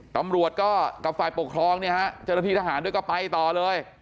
กรรมรวจก็กับฝ่ายปกครองเจ้าหน้าที่ทหารด้วยก็ไปต่อเลย